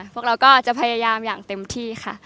พวกเราก็จะพยายามอย่างเต็มที่ค่ะ